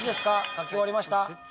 書き終わりました？